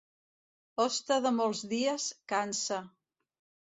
Hoste de molts dies, cansa.